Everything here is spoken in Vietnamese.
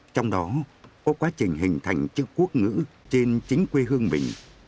trong đó có quá trình hình thành chữ quốc ngữ trên chính quê hương mình